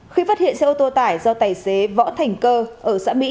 khi phát hiện xe ô tô tải do tài xế võ thành cơ ở xã mỹ